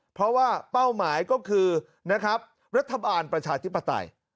เพราะว่าเป้าหมายก็คือนะครับรัฐบาลประชาธิปไตย